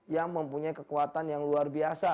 yang mempunyai kekuatan yang luar biasa